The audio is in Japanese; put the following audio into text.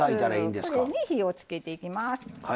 これに火をつけていきます。